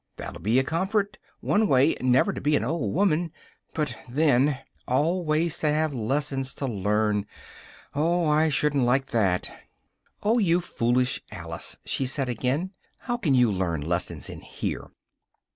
That'll be a comfort, one way never to be an old woman but then always to have lessons to learn! Oh, I shouldn't like that!" "Oh, you foolish Alice!" she said again, "how can you learn lessons in here?